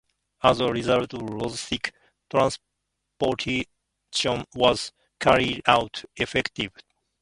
As a result, logistic transportation was carried out effectively.